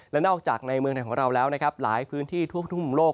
และนอกจากในเมืองไทยของเราแล้วนะครับหลายพื้นที่ทั่วทุกมุมโลก